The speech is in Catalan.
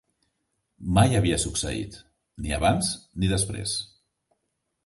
Mai havia succeït, ni abans ni després.